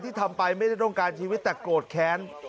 ทำไปไม่ได้ต้องการชีวิตแต่โกรธแค้น